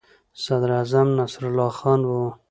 صدراعظم نصرالله خان وو.